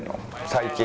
最近。